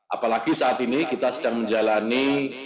apalagi saat ini kita sedang menjalani